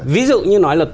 ví dụ như nói là